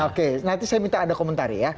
oke nanti saya minta anda komentari ya